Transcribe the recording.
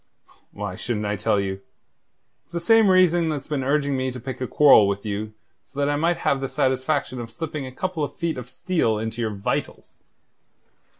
"Why shouldn't I tell you? It's the same reason that's been urging me to pick a quarrel with you so that I might have the satisfaction of slipping a couple of feet of steel into your vitals.